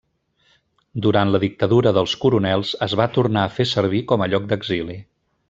Durant la Dictadura dels Coronels es va tornar a fer servir com a lloc d'exili.